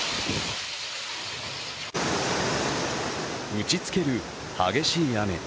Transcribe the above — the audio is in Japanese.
打ちつける激しい雨。